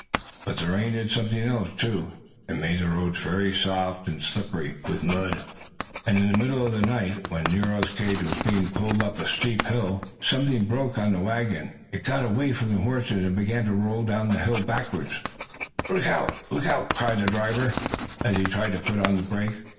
But the rain did something else, too. It made the roads very soft and slippery with mud, and in the middle of the night, when Nero's cage was being pulled up a steep hill, something broke on the wagon. It got away from the horses and began to roll down the hill backward. "Look out! Look out!" cried the driver, as he tried to put on the brake.